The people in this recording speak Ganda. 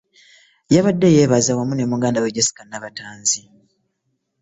Yabadde yeebaza wamu ne muganda we Jesca Nabatanzi